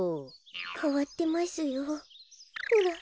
かわってますよほら。